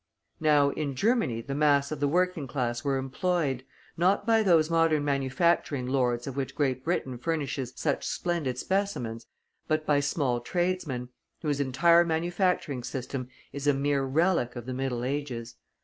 Now, in Germany the mass of the working class were employed, not by those modern manufacturing lords of which Great Britain furnishes such splendid specimens, but by small tradesmen, whose entire manufacturing system is a mere relic of the Middle Ages.